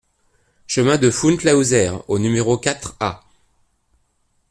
Chemin de Fount Laouzert au numéro quatre A